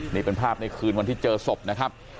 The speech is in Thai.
นี่เป็นภาพของวันที่เจอศพนะฮะ